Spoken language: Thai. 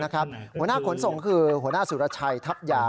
หัวหน้าขนส่งคือหัวหน้าสุรชัยทัพยา